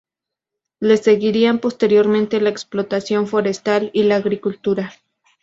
Le seguirían posteriormente la explotación forestal y la agricultura.